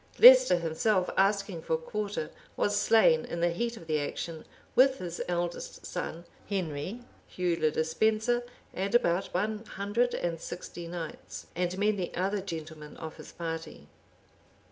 Leicester himself, asking for quarter, was slain in the heat of the action, with his eldest son Henry, Hugh le Despenser, and about one hundred and sixty knights, and many other gentlemen of his party.